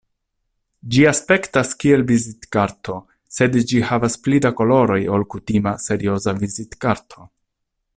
Ĝi aspektas kiel vizitkarto, sed ĝi havas pli da koloroj ol kutima serioza vizitkarto.